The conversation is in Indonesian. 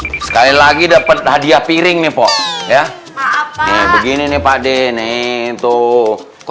though sekali lagi dapat hadiah piring nih pokok ya apa begini padi nin tuh